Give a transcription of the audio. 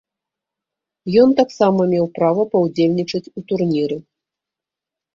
Ён таксама меў права паўдзельнічаць у турніры.